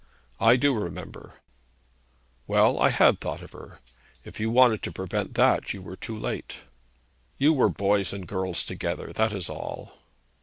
'I do remember.' 'Well; I had thought of her. If you wanted to prevent that, you were too late.' 'You were boys and girls together; that is all.'